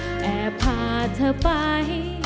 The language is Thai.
แอบพาเธอไป